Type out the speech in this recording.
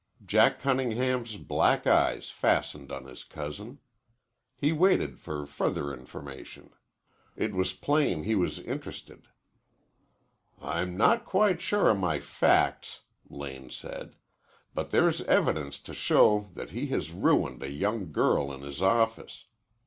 Jack Cunningham's black eyes fastened on his cousin. He waited for further information. It was plain he was interested. "I'm not quite sure of my facts," Lane said. "But there's evidence to show that he has ruined a young girl in his office.